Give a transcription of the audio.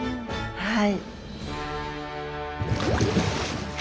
はい。